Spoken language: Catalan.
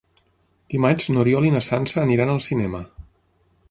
Dimarts n'Oriol i na Sança aniran al cinema.